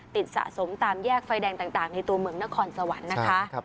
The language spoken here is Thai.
สะสมตามแยกไฟแดงต่างในตัวเมืองนครสวรรค์นะคะ